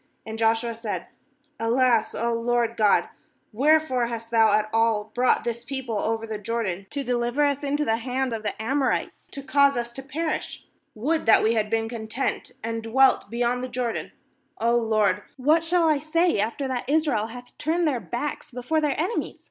7And Joshua said: 'Alas, O Lord GOD, wherefore hast Thou at all brought this people over the Jordan, to deliver us into the hand of the Amorites, to 267 7.7 JOSHUA cause us to perish? would that we had been content and dwelt beyond the Jordan! ^h, Lord, what shall I say, after that Israel hath turned their backs before their enemies!